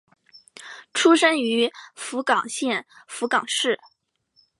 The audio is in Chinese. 出身于福冈县福冈市。